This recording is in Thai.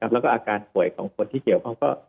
แล้วก็อาการป่วยของคนที่เกี่ยวข้อง